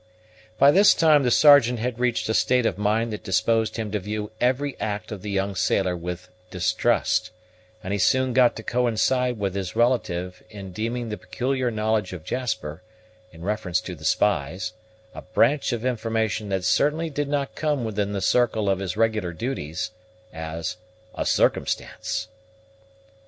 By this time the Sergeant had reached a state of mind that disposed him to view every act of the young sailor with distrust, and he soon got to coincide with his relative in deeming the peculiar knowledge of Jasper, in reference to the spies, a branch of information that certainly did not come within the circle of his regular duties, as "a circumstance."